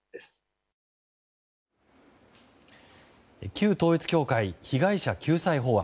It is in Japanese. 旧統一教会被害者救済法案。